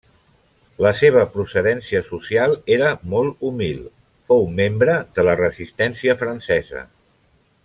La seva procedència social era molt humil; fou membre de la Resistència francesa.